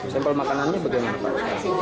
sempel makanannya bagaimana pak